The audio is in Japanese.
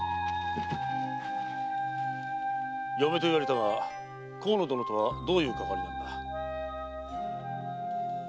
嫁と言われたが河野殿とはどういうかかわりなのだ？